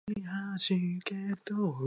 浅草